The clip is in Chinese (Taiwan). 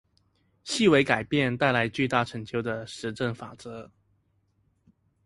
細微改變帶來巨大成就的實證法則